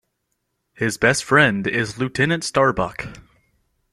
His best friend is Lieutenant Starbuck.